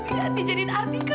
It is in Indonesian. tidak dijadiin artikel